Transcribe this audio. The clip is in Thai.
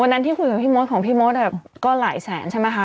นั้นที่คุยกับพี่มดของพี่มดก็หลายแสนใช่ไหมคะ